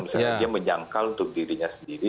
misalnya dia menjangkau untuk dirinya sendiri